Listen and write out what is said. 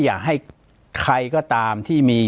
ปากกับภาคภูมิ